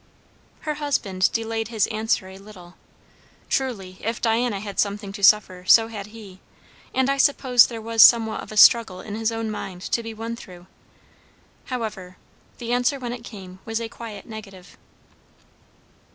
Her husband delayed his answer a little; truly, if Diana had something to suffer, so had he; and I suppose there was somewhat of a struggle in his own mind to be won through; however, the answer when it came was a quiet negative.